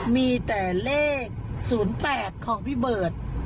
มีแต่เลข๐๘ของพี่เบิร์ต